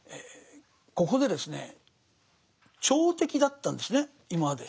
ここでですね朝敵だったんですね今まで。